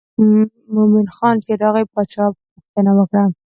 مومن خان چې راغی باچا پوښتنه وکړه.